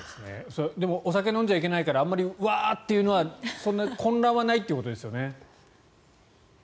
でも、お酒を飲んじゃいけないからあまりワーッ！っていうのはそんな混乱はないということですよね。